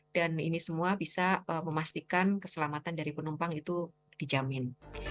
dan ini semua bisa memastikan keselamatan dari penumpang itu dijamin